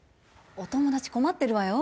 お友達困ってるわよ